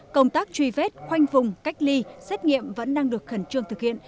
công tác truy vết khoanh vùng cách ly xét nghiệm vẫn đang được khẩn trương thực hiện